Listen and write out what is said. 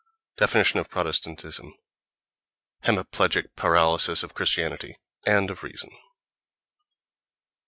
Definition of Protestantism: hemiplegic paralysis of Christianity—and of reason....